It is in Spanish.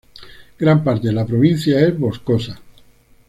Gran parte de la provincia es boscosa.